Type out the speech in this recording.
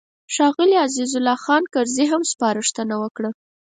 ښاغلي عزیز الله خان کرزي هم سپارښتنه وکړه.